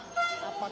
apakah ada informasi